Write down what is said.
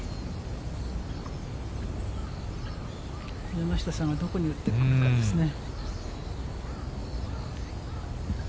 山下さんはどこに打ってくるかですね。